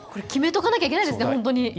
決めとかなきゃいけないですね、本当に。